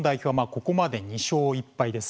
ここまで２勝１敗です。